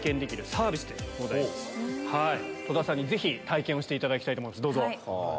戸田さんにぜひ体験をしていただきたいと思います。